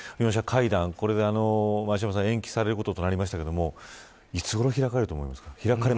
これが、前嶋さん、延期されることとなりましたけれどもいつごろ開かれると思いますか。